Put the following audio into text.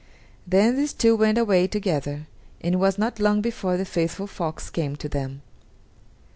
Then these two went away together, and it was not long before the faithful fox came to them.